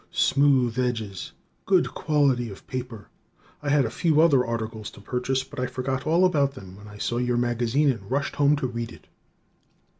Smooth edges! Good quality of paper! I had a few other articles to purchase but I forgot all about them when I saw your magazine and rushed home to read it.